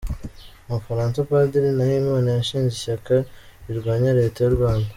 U Bufaransa Padiri Nahimana yashinze ishyaka rirwanya Leta y’u Rwanda